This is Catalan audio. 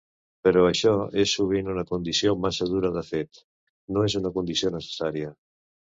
Però això és sovint una condició massa dura de fet: no és una condició necessària.